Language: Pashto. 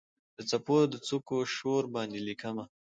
د څپو د څوکو شور باندې لیکمه